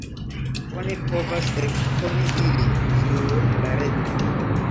Oni povas ekkoni ilin sur la reto.